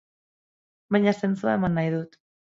Baina zentzua eman nahi dut.